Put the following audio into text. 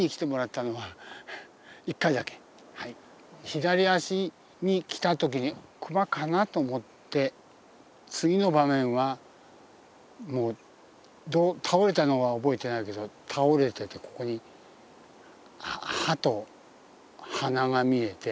左足に来た時に熊かなと思って次の場面は倒れたのは覚えてないけど倒れててここに歯と鼻が見えて。